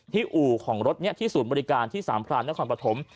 อู่ของรถนี้ที่ศูนย์บริการที่สามพรานนครปฐม